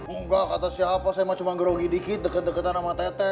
enggak kata siapa saya mau cuma grogi dikit deket deketan sama tete